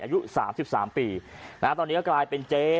อายุ๓๓ปีตอนนี้ก็กลายเป็นเจ๊